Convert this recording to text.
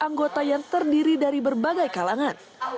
anggota yang terdiri dari berbagai kalangan